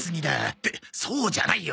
ってそうじゃないよ。